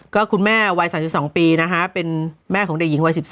ก็คุณแม่วัย๓๒ปีนะคะเป็นแม่ของเด็กหญิงวัย๑๔